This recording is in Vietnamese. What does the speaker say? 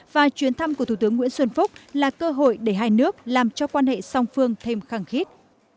và chuyến thăm của thủ tướng nguyễn xuân phúc là cơ hội để hai nước làm cho quan hệ song phương thêm khẳng khít